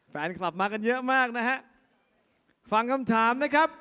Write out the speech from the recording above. แฟนคลับมากันเยอะมากฟังคำถาม